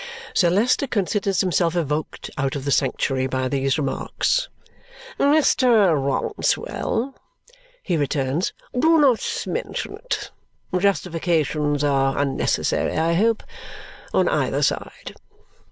Sir Leicester considers himself evoked out of the sanctuary by these remarks. "Mr. Rouncewell," he returns, "do not mention it. Justifications are unnecessary, I hope, on either side."